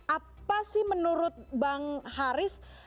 apa sih menurut bang haris